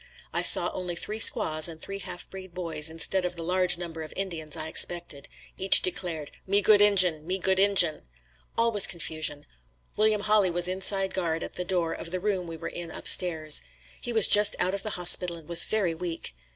I saw only three squaws and three half breed boys, instead of the large number of Indians I expected. Each declared "Me good Injin! Me good Injin!" All was confusion. William Hawley was inside guard at the door of the room we were in upstairs. He was just out of the hospital and was very weak.